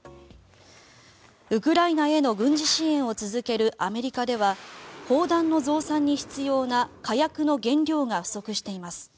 ウクライナへの軍事支援を続けるアメリカでは砲弾の増産に必要な火薬の原料が不足しています。